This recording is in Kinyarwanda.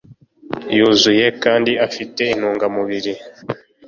yuzuye kandi ifite intungamubiri